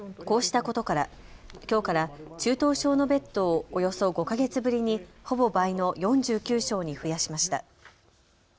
こうしたことからきょうから中等症のベッドをおよそ５か月ぶりにほぼ倍の４９床に増やしました。